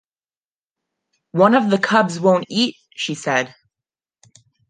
“One of the cubs won’t eat,” she said.